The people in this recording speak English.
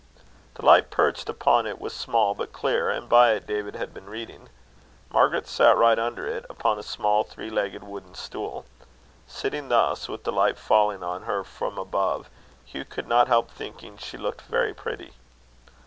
The light perched upon it was small but clear, and by it David had been reading. Margaret sat right under it, upon a creepie, or small three legged wooden stool. Sitting thus, with the light falling on her from above, Hugh could not help thinking she looked very pretty.